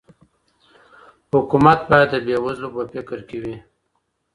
حکومت باید د بې وزلو په فکر کي وي.